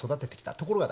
ところがだ